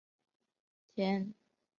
天钿女命。